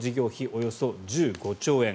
およそ１５兆円。